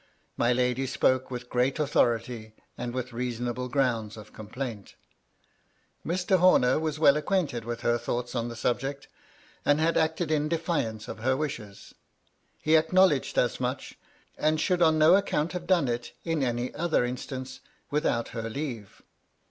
My lady spoke with great authority, and with reasonable grounds of complaint Mr. Homer was well acquainted with her thoughts on the subject, and had acted in defiance of her wishes. He acknowledged as much, and should on no account have done it, in any other instance, with out her leave.